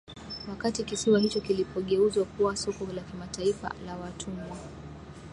wakati kisiwa hicho kilipogeuzwa kuwa soko la kimataifa la watumwa